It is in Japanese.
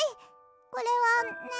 これはね。